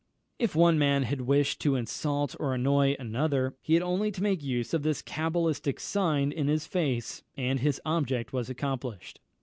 If one man wished to insult or annoy another, he had only to make use of this cabalistic sign in his face, and his object was accomplished.